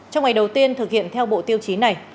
trong ngày đầu tiên thực hiện theo bộ tiêu chí này